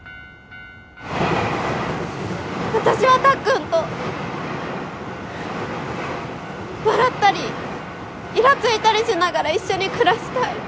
私はたっくんと笑ったりいらついたりしながら一緒に暮らしたい。